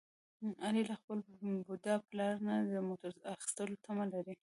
علي له خپل بوډا پلار نه د موټر اخیستلو تمه لري.